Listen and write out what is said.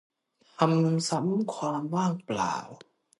ทำซ้ำความว่างเปล่า